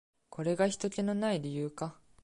これがひとけの無い理由か。